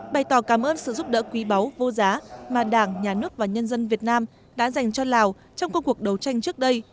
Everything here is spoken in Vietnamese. bày tỏ cảm ơn sự giúp đỡ quý báu vô giá mà đảng nhà nước và nhân dân việt nam đã dành cho lào trong công cuộc đấu tranh trước đây